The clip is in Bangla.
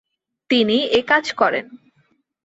তিনি একাজ করেন।